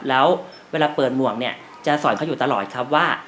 แล้วเวลาเปิดหมวกเนี่ยจะสอนเขาอยู่ตลอดครับว่า